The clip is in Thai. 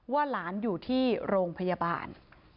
ว่าหลานอยู่ที่โรงพยาบาล